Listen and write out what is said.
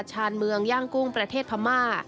ชาญเมืองย่างกุ้งประเทศพม่า